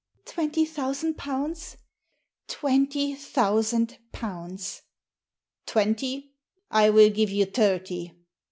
" Twenty thousand pounds ?"" Twenty thousand pounds !"" Twenty ? I will give you thirty